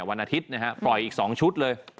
วันอาทิตย์นะฮะปล่อยอีก๒ชุดเลย